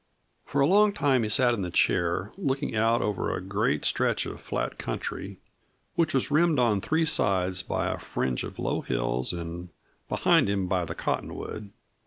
For a long time he sat in the chair, looking out over a great stretch of flat country which was rimmed on three sides by a fringe of low hills, and behind him by the cottonwood.